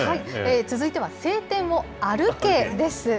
続いては、青天を歩けです。